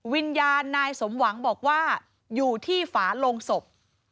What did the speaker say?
วิญญาณนายสมหวังบอกว่าอยู่ที่ฝาโลงศพ